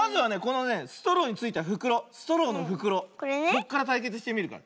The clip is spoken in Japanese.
こっからたいけつしてみるから。